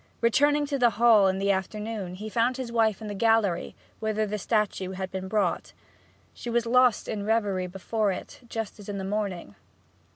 Returning to the Hall in the afternoon he found his wife in the gallery, whither the statue had been brought. She was lost in reverie before it, just as in the morning.